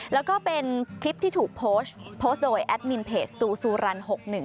แล้วก็เป็นคลิปที่ถูกโพสต์โพสต์โดยแอดมินเพจซูซูรัน๖๑